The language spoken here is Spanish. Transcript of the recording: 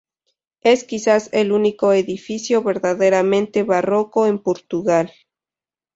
Es quizás el único edificio verdaderamente barroco en Portugal.